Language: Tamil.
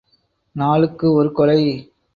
நாளுக்கு ஒரு கொலை!